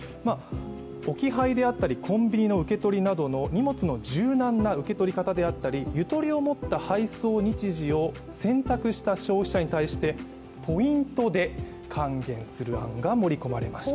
置き配であったりコンビニの受け取りなどの、荷物の柔軟な受け取り方であったりゆとりを持った配送日時を選択した消費者に対してポイントで還元する案が盛り込まれました。